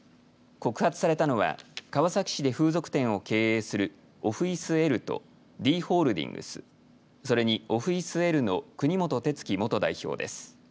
告発されたのは川崎市で風俗店を経営するオフイスＬとＤホールディングスそれにオフイスＬの国本哲樹元代表です。